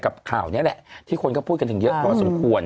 ข่าวนี้แหละที่คนก็พูดกันถึงเยอะพอสมควร